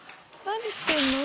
・何してんの？